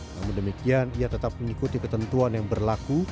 namun demikian ia tetap mengikuti ketentuan yang berlaku